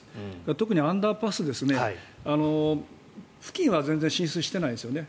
特にアンダーパス付近は全然浸水してないですよね